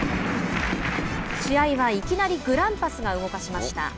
試合はいきなりグランパスが動かしました。